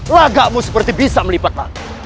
lagamu seperti bisa melipat lalu